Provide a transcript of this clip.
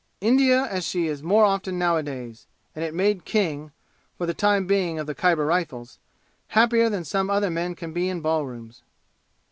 India as she is more often nowadays and it made King, for the time being of the Khyber Rifles, happier than some other men can be in ballrooms.